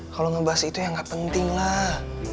kalo ngebahas itu ya gak penting lah